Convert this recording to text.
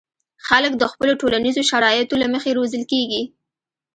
خلک د خپلو ټولنیزو شرایطو له مخې روزل کېږي.